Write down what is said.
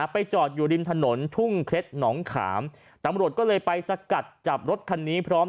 ไปจอดอยู่ริมถนนทุ่งเคล็ดหนองขามตำรวจก็เลยไปสกัดจับรถคันนี้พร้อม